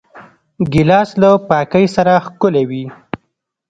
ګیلاس له پاکۍ سره ښکلی وي.